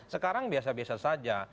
sekarang biasa biasa saja